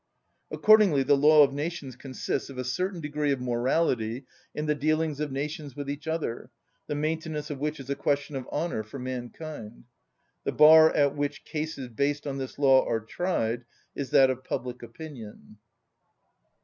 Accordingly the law of nations consists of a certain degree of morality in the dealings of nations with each other, the maintenance of which is a question of honour for mankind. The bar at which cases based on this law are tried is that of public opinion.